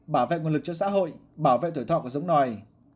bảo vệ nguồn lực cho xã hội bảo vệ tuổi thọ của giống nòi